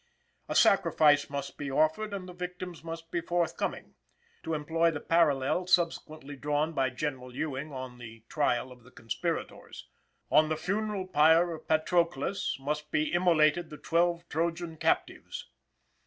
A sacrifice must be offered and the victims must be forthcoming. To employ the parallel subsequently drawn by General Ewing on the trial of the conspirators: On the funeral pyre of Patroclus must be immolated the twelve Trojan captives.